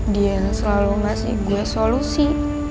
dia selalu ngasih gue solusi